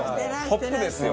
トップですよ。